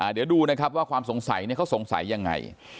เดี๋ยวดูนะครับว่าความสงสัยเขาสงสัยยังไง